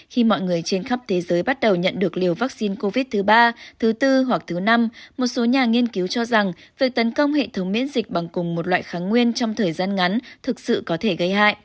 khi mọi người trên khắp thế giới bắt đầu nhận được liều vaccine covid thứ ba thứ bốn hoặc thứ năm một số nhà nghiên cứu cho rằng việc tấn công hệ thống miễn dịch bằng cùng một loại kháng nguyên trong thời gian ngắn thực sự có thể gây hại